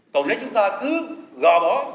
còn nếu chúng ta cứ gò bó